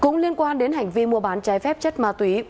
cũng liên quan đến hành vi mua bán trái phép chất ma túy